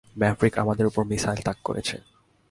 Maverick আমাদের ওপর missile তাক করেছে।